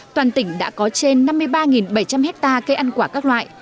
toàn tỉnh đã có trên năm mươi ba bảy trăm linh hectare cây ăn quả các loại